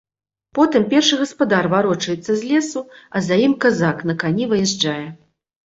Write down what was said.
Потым першы гаспадар варочаецца з лесу, а за ім казак на кані выязджае.